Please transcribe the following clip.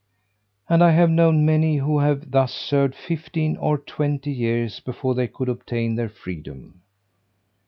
And I have known many, who have thus served fifteen or twenty years, before they could obtain their freedom.